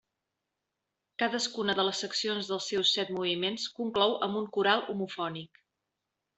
Cadascuna de les seccions dels seus set moviments conclou amb un coral homofònic.